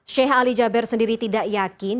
sheikh ali jaber sendiri tidak yakin